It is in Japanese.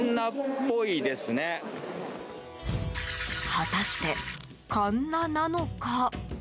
果たして、カンナなのか？